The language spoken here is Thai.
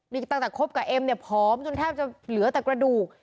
นี่ตั้งแต่คบกับเอ็มเนี่ยผอมจนแทบจะเหลือแต่กระดูก